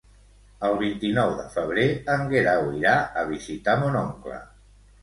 El vint-i-nou de febrer en Guerau irà a visitar mon oncle.